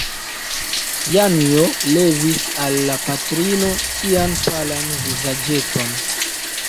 Janjo levis al la patrino sian palan vizaĝeton.